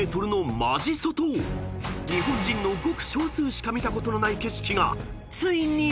［日本人のごく少数しか見たことのない景色がついに！］